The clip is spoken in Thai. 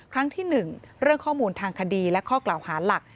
ครั้งที่๑เรื่องข้อมูลทางคดีและข้อกล่าวหาหลัก